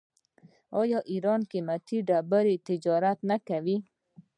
آیا ایران د قیمتي ډبرو تجارت نه کوي؟